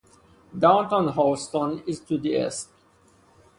Downtown Houston is to the east.